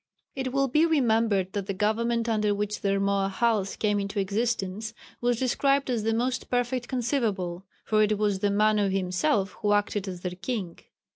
It will be remembered that the government under which the Rmoahals came into existence, was described as the most perfect conceivable, for it was the Manu himself who acted as their king.